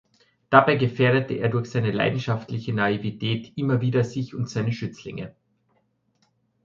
Dabei gefährdete er durch seine leidenschaftliche Naivität immer wieder sich und seine Schützlinge.